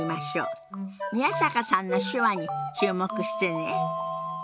宮坂さんの手話に注目してね。